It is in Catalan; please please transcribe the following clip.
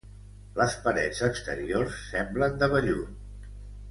Les parets exteriors semblen de vellut.